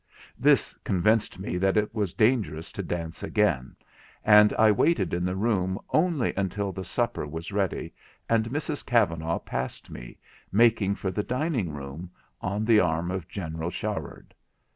This convinced me that it was dangerous to dance again, and I waited in the room only until the supper was ready, and Mrs Kavanagh passed me, making for the dining room, on the arm of General Sharard.